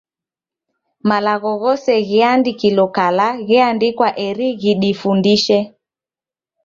Malagho ghose ghiandikilo kala gheandikwa eri ghidifundishe.